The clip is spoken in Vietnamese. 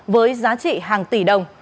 với giá trị hàng tỷ đồng